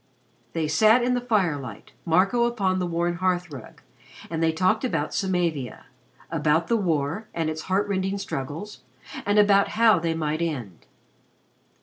They sat in the firelight, Marco upon the worn hearth rug, and they talked about Samavia about the war and its heart rending struggles, and about how they might end.